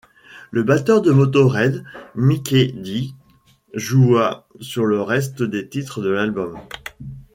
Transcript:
Le batteur de Motörhead, Mikkey Dee, joua sur le reste des titres de l'album.